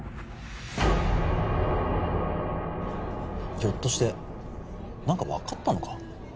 ひょっとして何か分かったのか？